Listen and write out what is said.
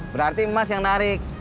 berarti mas yang narik